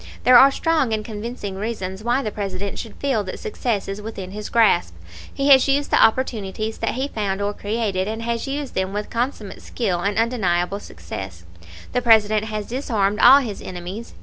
"There are strong and convincing reasons why the President should feel that success is within his grasp. He has used the opportunities that he found or created, and he has used them with consummate skill and undeniable success. "The President has disarmed all his enemies.